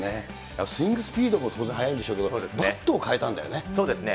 スイングスピードも当然速いんでしょうけど、バットを変えたそうですね。